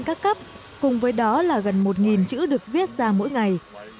học sinh các cấp cùng với đó là gần một chữ được viết ra mỗi ngày